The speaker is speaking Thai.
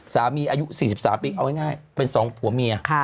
สามีอายุสี่สิบสามปีเอาให้ง่ายเป็นสองผัวเมีย